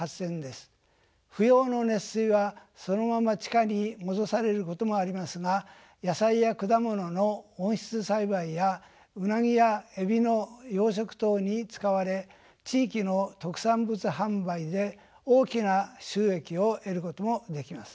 不要の熱水はそのまま地下に戻されることもありますが野菜や果物の温室栽培やウナギやエビの養殖等に使われ地域の特産物販売で大きな収益を得ることもできます。